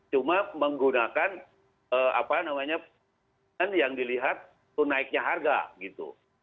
cuma menggunakan yang dilihat itu naiknya harga gitu